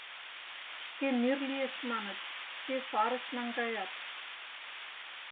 Шке мир лиеш маныт, шке сарыш наҥгаят.